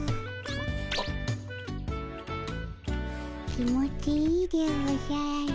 気持ちいいでおじゃる。